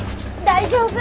大丈夫。